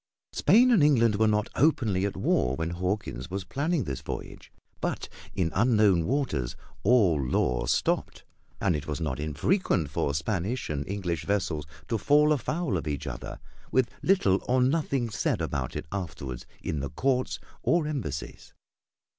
Spain and England were not openly at war when Hawkins was planning this voyage, but in unknown waters all law stopped; and it was not infrequent for Spanish and English vessels to fall afoul of each other with little or nothing said about it afterward in the Courts or Embassies.